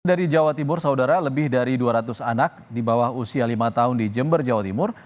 dari jawa timur saudara lebih dari dua ratus anak di bawah usia lima tahun di jember jawa timur